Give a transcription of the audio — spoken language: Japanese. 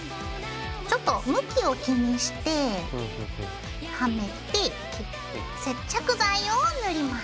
ちょっと向きを気にしてはめて接着剤を塗ります。